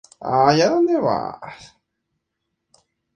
La Virgen cumple los cánones de una Dolorosa.